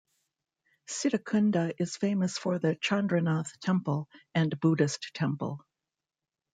Sitakunda is famous for the Chandranath Temple and Buddhist temple.